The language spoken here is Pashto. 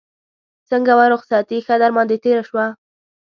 څنګه وه رخصتي ښه در باندې تېره شوه.